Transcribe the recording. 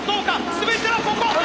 全てはここ！